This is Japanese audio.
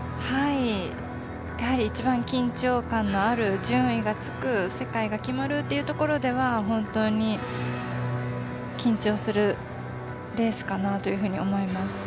やはり一番緊張感のある順位がつく世界が決まるというところでは本当に、緊張するレースかなというふうに思います。